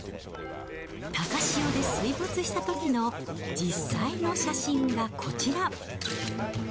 高潮で水没したときの実際の写真がこちら。